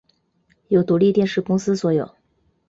由独立电视公司所有。